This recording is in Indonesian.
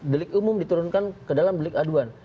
delik umum diturunkan ke dalam delik aduan